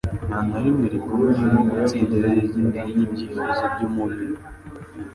nta na rimwe rikomeye nko gutsinda irari ry'inda n'ibyifizo by'umubiri.